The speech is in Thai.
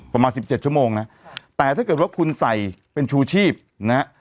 ประมาณสิบเจ็ดชั่วโมงนะแต่ถ้าเกิดว่าคุณใส่เป็นชูชีพนะฮะ